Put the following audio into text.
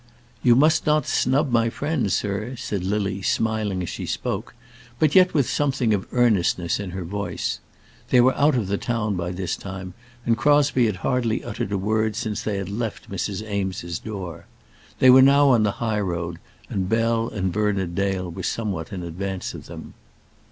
"You must not snub my friends, sir," said Lily, smiling as she spoke, but yet with something of earnestness in her voice. They were out of the town by this time, and Crosbie had hardly uttered a word since they had left Mrs. Eames's door. They were now on the high road, and Bell and Bernard Dale were somewhat in advance of them.